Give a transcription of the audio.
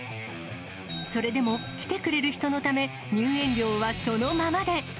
それでも来てくれる人のため、入園料はそのままで。